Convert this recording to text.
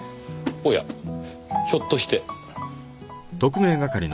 おやひょっとして。